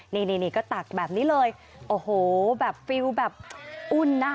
นี่นี่ก็ตักแบบนี้เลยโอ้โหแบบฟิลแบบอุ่นนะ